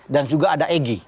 dan juga ada egy